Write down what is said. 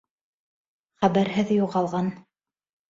— Хәбәрһеҙ юғалған.